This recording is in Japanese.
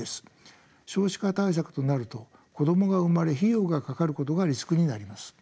少子化対策となると子どもが生まれ費用がかかることがリスクになります。